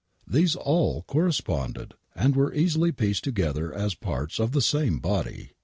These all corresponded, and were easily pieced together as parts of the same body.